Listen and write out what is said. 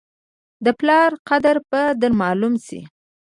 د پلار قدر به در معلوم شي !